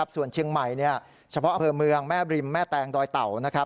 ส่วนเชียงใหม่เฉพาะอำเภอเมืองแม่บริมแม่แตงดอยเต่า